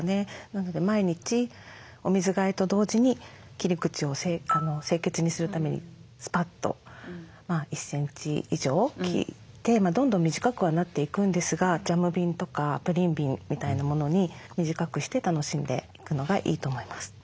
なので毎日お水換えと同時に切り口を清潔にするためにスパッと１センチ以上切ってどんどん短くはなっていくんですがジャム瓶とかプリン瓶みたいなものに短くして楽しんでいくのがいいと思います。